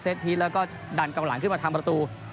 เซ็ตพีชแล้วก็ดันกลางหลังขึ้นมาทำประตู